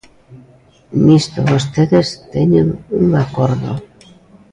Nisto vostedes teñen un acordo.